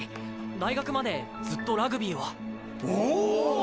大学までずっとラグビーをおお！